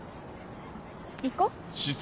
行こう。